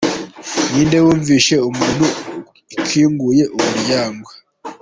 Ni inde wumvise umuntu ukinguye umuryango?